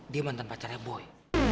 dia mantan pacarnya boy